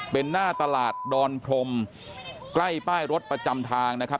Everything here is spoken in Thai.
เป็นหน้าตลาดดอนพรมใกล้ป้ายรถประจำทางนะครับ